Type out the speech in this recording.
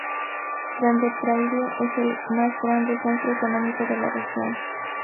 Grande Prairie es el más grande centro económico de la región.